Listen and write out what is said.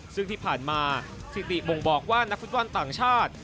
ซึ่งที่ผ่านมาสิริบ่งบอกว่านักฟุตบอลต่างชาติ